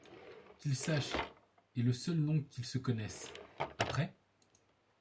Qu’il sache, et le seul nom qu’il se connaisse : Après ?